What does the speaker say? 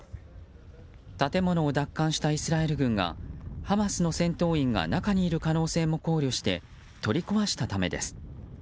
建物を奪還したイスラエル軍がハマスの戦闘員が中にいる可能性も考慮して取り壊したためです。